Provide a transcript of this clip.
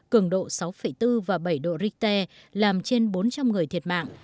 cường độ sáu bốn và bảy độ richter làm trên bốn trăm linh người thiệt mạng